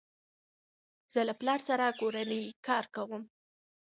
زه له پلار سره کورنی کار کوم.